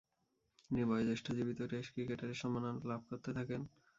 তিনি বয়োজ্যেষ্ঠ জীবিত টেস্ট ক্রিকেটারের সম্মাননা লাভ করতে থাকেন।